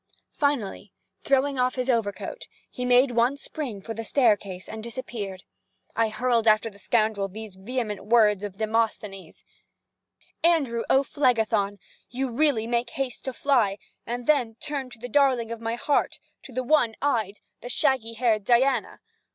Finally, throwing off his overcoat, he made one spring for the staircase and disappeared. I hurled after the scoundrel these vehement words of Demosthenes— Andrew O'Phlegethon, you really make haste to fly, and then turned to the darling of my heart, to the one eyed! the shaggy haired Diana.